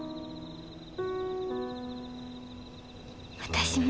私も。